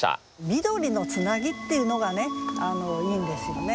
「緑のつなぎ」っていうのがねいいんですよね。